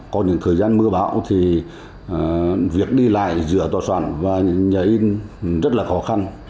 có những thời gian mưa bão thì việc đi lại giữa tòa soạn và những nhà in rất là khó khăn